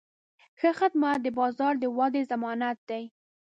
ښه خدمت د بازار د ودې ضمانت دی.